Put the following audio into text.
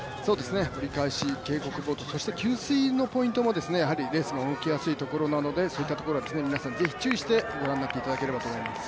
折り返し、警告ボード、そして給水のポイントもレースが動きやすいところなのでそういうところに皆さん是非、注意して、ご覧になっていただければと思います。